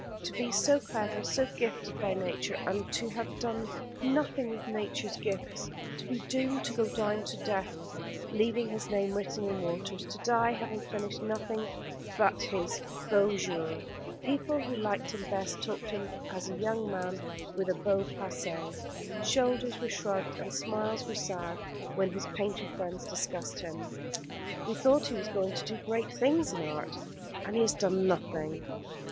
To be so clever, so gifted by nature, and to have done nothing with nature's gifts to be doomed to go down to death leaving his name written in water to die, having finished nothing but his beaux jours: people who liked him best talked of him as a young man with a beau passé. Shoulders were shrugged, and smiles were sad, when his painter friends discussed him. "We thought he was going to do great things in art, and he has done nothing."